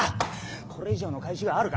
これ以上の返しがあるか？